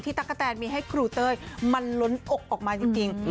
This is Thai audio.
ตั๊กกะแตนมีให้ครูเต้ยมันล้นอกออกมาจริง